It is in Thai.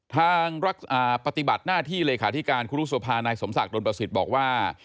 ทางปฏิบัติหน้าที่เลขาธิการครูรุษภานายสมศักดนประสิทธิ์บอกว่า